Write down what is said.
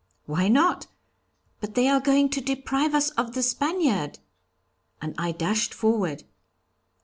'Why not? But they are going to deprive us of the Spaniard!' And I dashed forward.